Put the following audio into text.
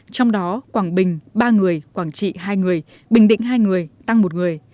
trong đó quảng bình ba người quảng trị hai người bình định hai người tăng một người